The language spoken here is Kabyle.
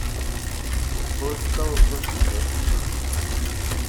Ur tessawḍed ad tged acemma.